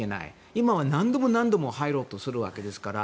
今は何度も何度も入ろうとするわけですから。